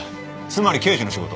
つまり刑事の仕事。